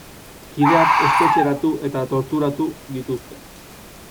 Kideak espetxeratu eta torturatu dituzte.